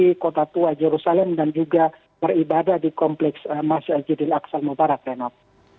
di kota tua jerusalem dan juga beribadah di kompleks masjid al judil aqsal mubarak renov